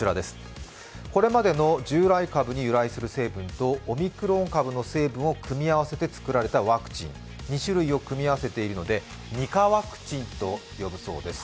これまでの従来株に由来する成分と、オミクロン株の成分を組み合わせて作られたワクチン、２種類を組み合わせているので二価ワクチンと呼ぶそうです。